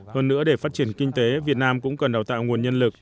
hơn nữa để phát triển kinh tế việt nam cũng cần đào tạo nguồn nhân lực